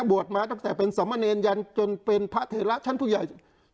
บวชมาตั้งแต่เป็นสมเนรยันจนเป็นพระเถระชั้นผู้ใหญ่